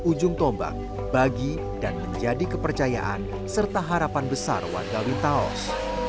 ujung tombak bagi dan menjadi kepercayaan serta harapan besar warga wintaos